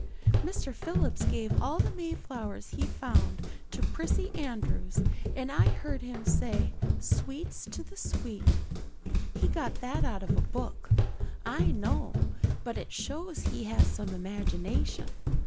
Mr. Phillips gave all the Mayflowers he found to Prissy Andrews and I heard him to say 'sweets to the sweet.' He got that out of a book, I know; but it shows he has some imagination.